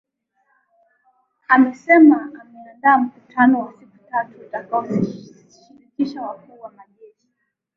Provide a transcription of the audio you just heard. amesema ameandaa mkutano wa siku tatu utakao shirikisha wakuu wa majeshi